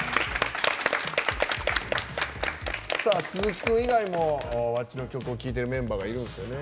鈴木君以外もｗａｃｃｉの曲を聴いているメンバーがいるんですよね。